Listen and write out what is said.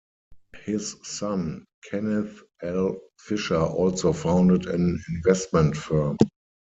His son Kenneth L. Fisher also founded an investment firm.